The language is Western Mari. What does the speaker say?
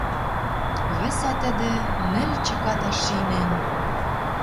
Вӹсӓ тӹдӹ, нӹл чыката шинӓн